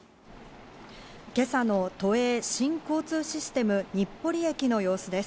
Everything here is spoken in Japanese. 今朝の都営新交通システム、日暮里駅の様子です。